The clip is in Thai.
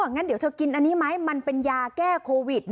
งั้นเดี๋ยวเธอกินอันนี้ไหมมันเป็นยาแก้โควิด